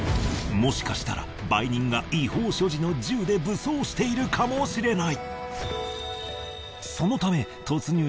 もしかしたら売人が違法所持の銃で武装しているかもしれない。